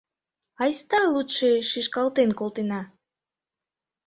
Айста лучше шӱшкалтен колтена.